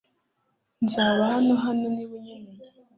Nzaba hano hano niba unkeneye .